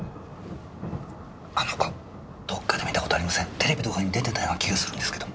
テレビとかに出てたような気がするんですけど。